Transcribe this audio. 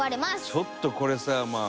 「ちょっとこれさまあ